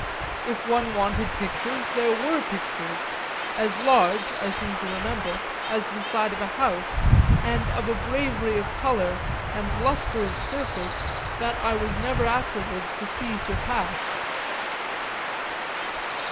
If one wanted pictures there were pictures, as large, I seem to remember, as the side of a house, and of a bravery of colour and lustre of surface that I was never afterwards to see surpassed.